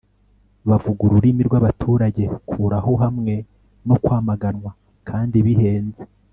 bavuga ururimi rwabaturage. kuraho hamwe no kwamaganwa kandi bihenze